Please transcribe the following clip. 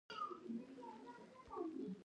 زموږ ټولنه په دوو جنسونو ولاړه ده